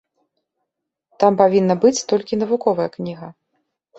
Там павінна быць толькі навуковая кніга.